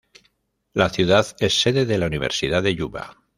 La ciudad es sede de la Universidad de Yuba.